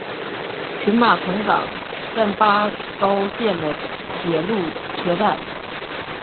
群马藤冈站八高线的铁路车站。